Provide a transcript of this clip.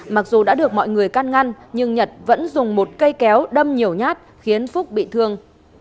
mặc dù đã được mọi người can ngăn nhưng nhật vẫn dùng một cây kéo đâm nhiều nhát khiến phúc bị thương sáu mươi năm